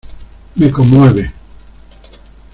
me conmueve.